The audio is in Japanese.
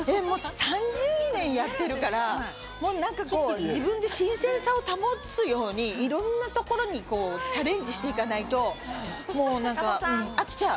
３０年やってるから、自分で新鮮さを保つように、いろんなところにチャレンジしていかないと飽きちゃう。